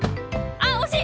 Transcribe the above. あっ、惜しい。